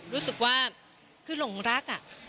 รู้สึกว่าคือหลงรัก